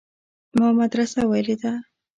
ما مدرسه ويلې ده.